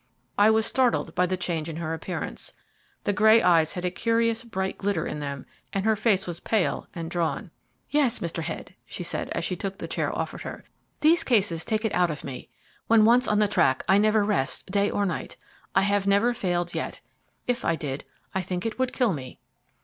I was startled by the change in her appearance. The grey eyes had a curious bright glitter in them, and her face was pale and drawn. "Yes, Mr. Head," she said; as she took the chair offered her, "these cases take it out of me. When once on the track, I never rest day or night. I have never failed yet. If I did, I think it would kill me."